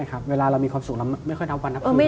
๒๐กว่าปีแล้ว